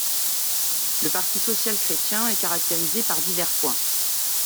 Le parti social-chrétien est caractérisé par divers points.